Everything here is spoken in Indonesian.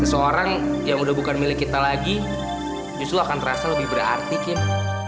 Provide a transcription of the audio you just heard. seseorang yang udah bukan milik kita lagi justru akan terasa lebih berarti kim